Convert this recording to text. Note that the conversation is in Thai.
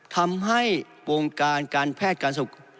ทำให้วงการการแพทย์การสุข